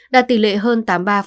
đạt tỷ lệ hơn tám mươi ba